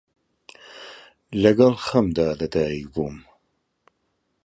لەگەڵ خەمدا لە دایک بووم،